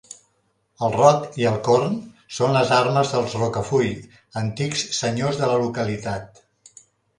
El roc i el corn són les armes dels Rocafull, antics senyors de la localitat.